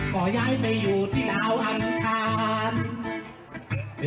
ขอย้ายไปอยู่ที่ดาวอังคาร